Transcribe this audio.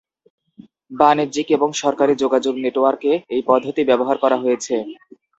বাণিজ্যিক এবং সরকারি যোগাযোগ নেটওয়ার্কে এই পদ্ধতি ব্যবহার করা হয়েছে।